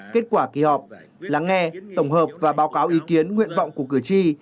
kết quả kỳ họp lắng nghe tổng hợp và báo cáo ý kiến nguyện vọng của cử tri